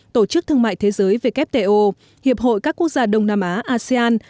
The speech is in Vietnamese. tổ chức thương mại thế giới wto hiệp hội các quốc gia đông nam á asean